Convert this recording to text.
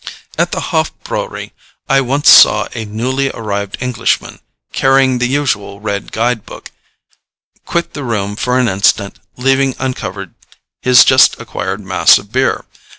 At the Hof Brauerei I once saw a newly arrived Englishman, carrying the usual red guidebook, quit the room for an instant, leaving uncovered his just acquired mass of beer.